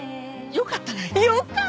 よかったね！